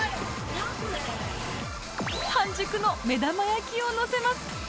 半熟の目玉焼きをのせます